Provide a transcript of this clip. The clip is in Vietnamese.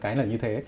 cái là như thế